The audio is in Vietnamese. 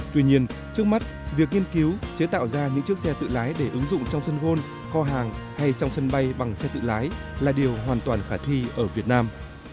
tuy nhiên trước mắt việc nghiên cứu chế tạo ra những chiếc xe tự lái để ứng dụng trong sân gôn kho hàng hay trong sân bay bằng xe tự lái là điều hoàn toàn khả thi ở việt nam